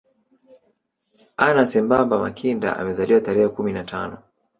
Anna Semamba Makinda amezaliwa tarehe kumi na tano